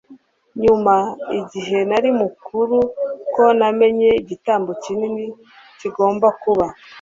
nyuma, igihe nari mukuru, ko namenye igitambo kinini kigomba kuba